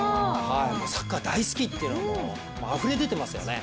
サッカー大好きっていうのがもうあふれ出てますからね。